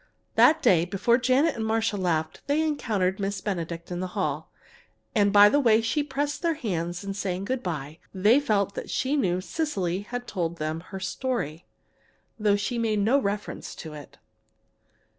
That day, before Janet and Marcia left, they encountered Miss Benedict in the hall. And, by the way she pressed their hands in saying good by they felt that she knew Cecily had told them her story, though she made no reference to it.